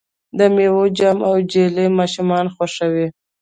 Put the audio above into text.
د میوو جام او جیلی ماشومان خوښوي.